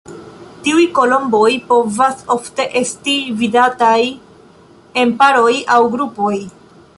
Tiuj kolomboj povas ofte esti vidataj en paroj aŭ grupoj.